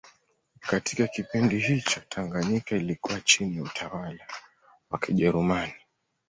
Katika kipindi hicho Tanganyika ilikuwa chini ya utawala wa Kijerumani